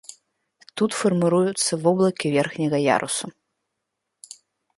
Тут фарміруюцца воблакі верхняга ярусу.